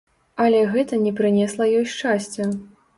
Але гэта не прынесла ёй шчасця.